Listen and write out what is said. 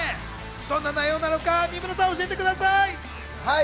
どんな内容なのか三村さん、教えてください。